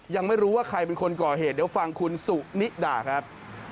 ยังไม่รู้ว่าใครเป็นคนก่อเหตุเดี๋ยวฟังคุณสุนิดาครับ